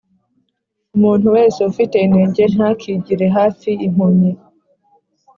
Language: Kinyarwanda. Umuntu wese ufite inenge ntakigire hafi impumyi